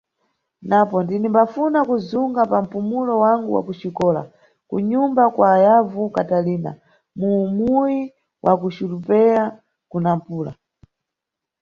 Napo, ndinimbafuna kuzunga pa mpumulo wangu wa ku xikola ku nyumba kwa yavu Katalina, mu muyi wa Currupeia ku Nampula.